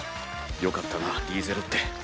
よかったなリーゼロッテ。